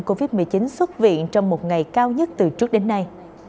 covid một mươi chín xuất viện trong một ngày cao nhất từ trước đến nay